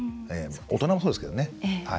大人もそうですね。